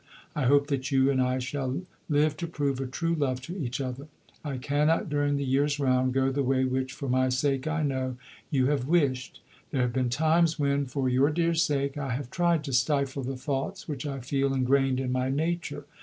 I hope that you and I shall live to prove a true love to each other. I cannot, during the year's round, go the way which (for my sake, I know) you have wished. There have been times when, for your dear sake, I have tried to stifle the thoughts which I feel ingrained in my nature.